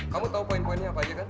kamu tahu poin poinnya apa aja kan